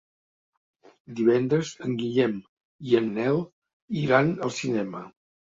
Divendres en Guillem i en Nel iran al cinema.